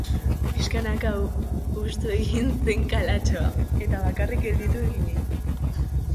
Pixkanaka hustu egin zen kalatxoa, eta bakarrik gelditu ginen.